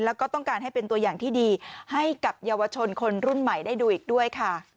แล้วก็ต้องการให้เป็นตัวอย่างที่ดีให้กับเยาวชนคนรุ่นใหม่ได้ดูอีกด้วยค่ะ